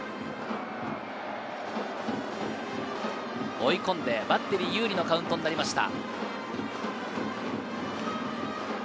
追い込んでバッテリー有利のカウントになりました。